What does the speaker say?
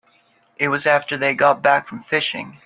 It was after they got back from fishing.